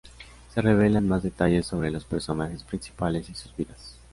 Se revelan más detalles sobre los personajes principales y sus vidas.